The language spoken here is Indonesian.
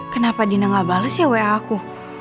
kenapa dina gak bales ya wa aku